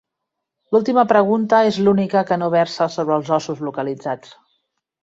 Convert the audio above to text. L'última pregunta és l'única que no versa sobre els ossos localitzats.